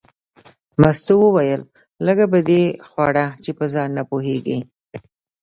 مستو وویل لږه به دې خوړه چې په ځان نه پوهېږې.